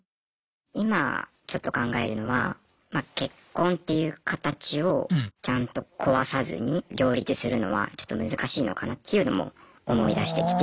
今ちょっと考えるのは結婚っていう形をちゃんと壊さずに両立するのはちょっと難しいのかなっていうのも思いだしてきて。